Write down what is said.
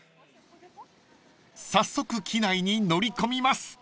［早速機内に乗り込みます］